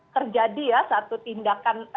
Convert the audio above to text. terjadi ya satu tindakan